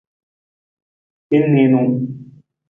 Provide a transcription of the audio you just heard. Hin niinu.